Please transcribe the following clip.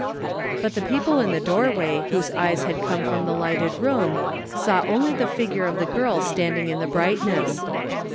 But the people in the doorway whose eyes had come from the lighted room saw only the figure of the girl standing in the brightness.